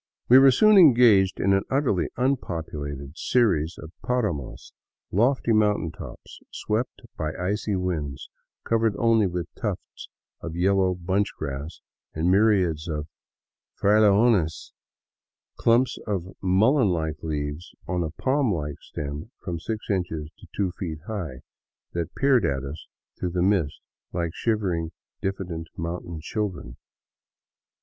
We were soon engaged in an utterly unpeopled series of paramos, lofty mountain tops swept by icy winds, covered only with tufts of yellow bunch grass and myriads of " frailejones," clumps of mullen like leaves on a palm like stem from six inches to two feet high, that peered at us through the mist like shivering, diffident mountain children.